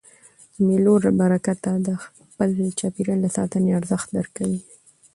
د مېلو له برکته خلک د خپل چاپېریال د ساتني ارزښت درکوي.